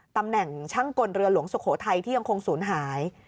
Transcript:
ตำแหน่งช่างกลเรือหลวงสุโขทัยที่ยังคงศูนย์หาย